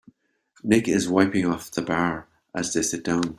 Nick is wiping off the bar as they sit down.